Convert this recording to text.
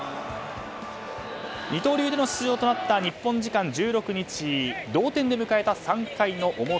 二刀流での出場となった日本時間１６日同点で迎えた３回の表。